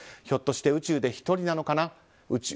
ひょっとして宇宙で１人かなあ。